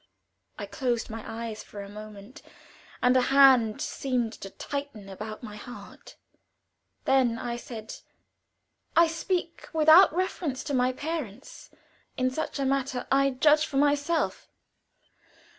I closed my eyes for a moment, and a hand seemed to tighten about my heart. Then I said: "I speak without reference to my parents. In such a matter I judge for myself."